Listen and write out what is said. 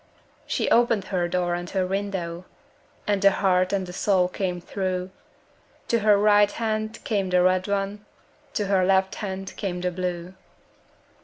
She opened her door and her window, And the heart and the soul came through, To her right hand came the red one, To her left hand came the blue.